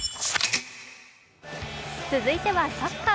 続いてはサッカー。